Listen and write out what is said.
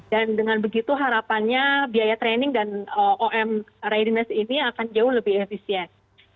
dan dengan begitu harapannya biaya training dan om readiness ini akan jauh lebih efisien